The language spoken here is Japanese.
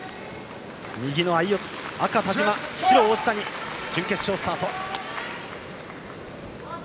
右の相四つ、赤、田嶋白、王子谷準決勝がスタート。